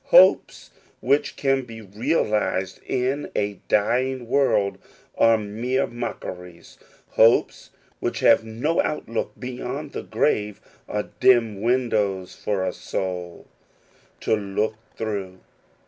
Hopes which can be realized in a dying world are mere mockeries. Hopes which have no outlook beyond the grave are dim windows for a soul to look through.